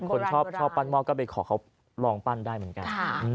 ถ้าเกิดหลายคนชอบปั้นหม้อก็ไปขอเขาลองปั้นได้เหมือนกัน